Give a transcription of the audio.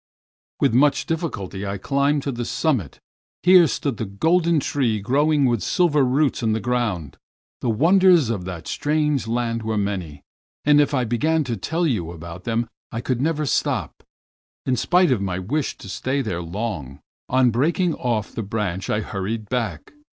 '" "With much difficulty I climbed to the summit, here stood the golden tree growing with silver roots in the ground. The wonders of that strange land are many, and if I began to tell you about them I could never stop. In spite of my wish to stay there long, on breaking off the branch I hurried back.